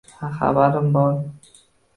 Ha, xabarim bor